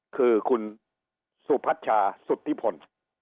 คือคุณสุพัชชาสุธิพล